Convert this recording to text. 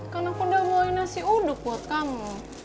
kan aku udah bawain nasi uduk buat kamu